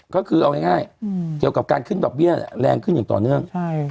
ก็คือเอาง่ายเกี่ยวกับการขึ้นดอกเบี้ยแรงขึ้นอย่างต่อเนื่อง